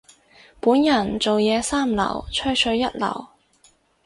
本人做嘢三流，吹水一流。